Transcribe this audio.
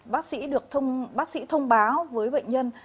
bác sĩ thông báo với bệnh nhân